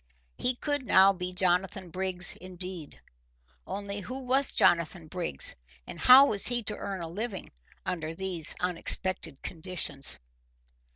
He could now be Jonathan Briggs indeed. Only who was Jonathan Briggs, and how was he to earn a living under these unexpected conditions?